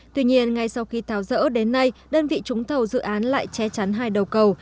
tuy nhiên ngay sau khi tháo dỡ đến nay đơn vị trúng thầu dự án lại che chắn hai đầu cầu